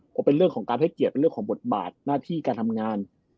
ก็เป็นเรื่องของการให้เกียรติเป็นเรื่องของบทบาทหน้าที่การทำงาน